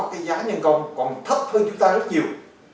cái giá nhân công còn thấp hơn chúng ta rất nhiều